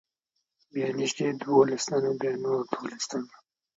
بیا نږدې دولس تنه، بیا نور دولس تنه.